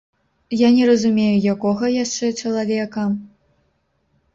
Я не разумею, якога яшчэ чалавека?